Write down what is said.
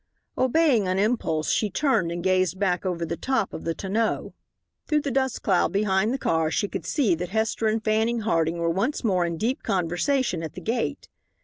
Obeying an impulse, she turned and gazed back over the top of the tonneau. Through the dust cloud behind the car she could see that Hester and Fanning Harding were once more in deep conversation at the gate.